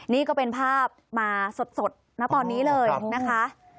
นี่ก็เป็นภาพมาสดนะตอนนี้เลยนะคะ